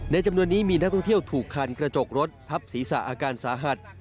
จำนวนนี้มีนักท่องเที่ยวถูกคันกระจกรถทับศีรษะอาการสาหัส